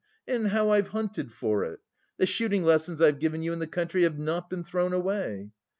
And how I've hunted for it! The shooting lessons I've given you in the country have not been thrown away."